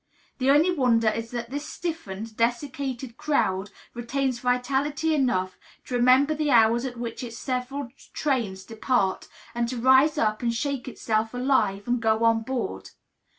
The only wonder is that this stiffened, desiccated crowd retains vitality enough to remember the hours at which its several trains depart, and to rise up and shake itself alive and go on board.